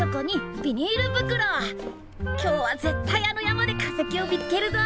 今日は絶対あの山で化石を見つけるぞ！